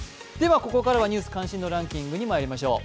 ここからは「ニュース関心度ランキング」にまいりましょう。